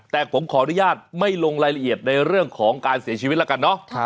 แต่ผมขออนุญาตไม่ลงรายละเอียดในเรื่องของการเสียชีวิตแล้วกันเนาะ